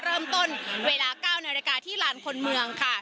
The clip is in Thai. เริ่มต้นเวลา๙นาฬิกาที่ลานคนเมืองค่ะ